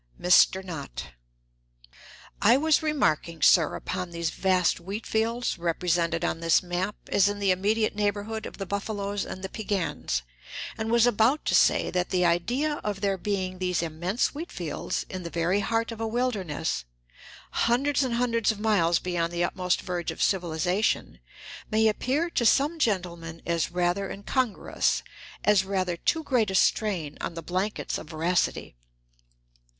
Mr. Knott. I was remarking, sir, upon these vast "wheat fields" represented on this map as in the immediate neighborhood of the buffaloes and the Piegans, and was about to say that the idea of there being these immense wheat fields in the very heart of a wilderness, hundreds and hundreds of miles beyond the utmost verge of civilization, may appear to some gentlemen as rather incongruous, as rather too great a strain on the "blankets" of veracity.